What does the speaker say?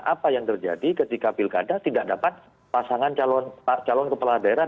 apa yang terjadi ketika pilkada tidak dapat pasangan calon kepala daerah